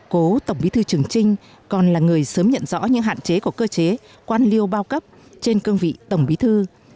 cố tổng bí thư trường trinh còn là người sớm nhận rõ những hạn chế của cơ chế quan liêu bao cấp trên cương vị tổng bí thư